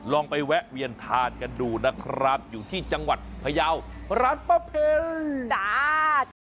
ลองไปแวะเวียนทานกันดูนะครับอยู่ที่จังหวัดพยาวร้านป้าเพ็ญจ้า